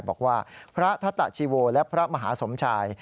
บอกว่าพระทัตตะชีโวและพระมหาสมชาย